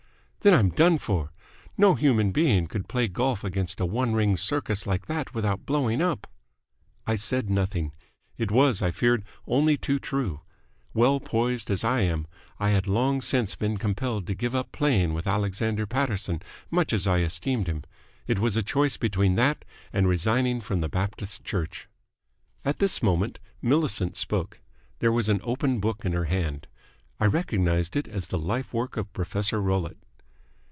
"Then I'm done for! No human being could play golf against a one ring circus like that without blowing up!" I said nothing. It was, I feared, only too true. Well poised as I am, I had long since been compelled to give up playing with Alexander Paterson, much as I esteemed him. It was a choice between that and resigning from the Baptist Church. At this moment Millicent spoke. There was an open book in her hand. I recognized it as the life work of Professor Rollitt.